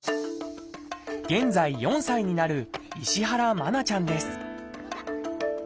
現在４歳になる石原愛菜ちゃんです